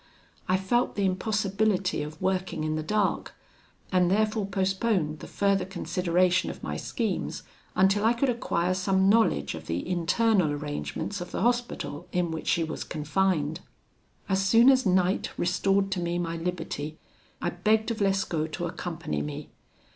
I felt the impossibility of working in the dark, and therefore postponed the further consideration of my schemes until I could acquire some knowledge of the internal arrangements of the Hospital, in which she was confined. "As soon as night restored to me my liberty, I begged of Lescaut to accompany me.